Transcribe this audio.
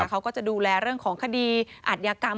เขาก็จะดูแลเรื่องของคดีอาจยากรรม